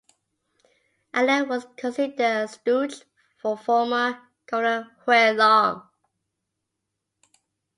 Allen was considered a stooge for former governor Huey Long.